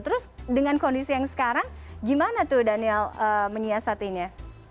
terus dengan kondisi yang sekarang gimana tuh daniel menyiasatinya